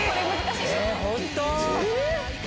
本当？